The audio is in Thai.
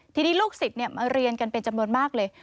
ทีนี้ลูกศิษย์มาเรียนกันเป็นจำนวนมากเลย